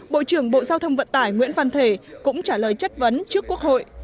bộ trưởng bộ giao thông vận tải nguyễn văn thể cũng trả lời chất vấn trước quốc hội